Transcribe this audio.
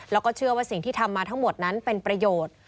แล้วก็เชื่อว่าสิ่งที่ทำมาทั้งหมดนั้นเป็นประโยชน์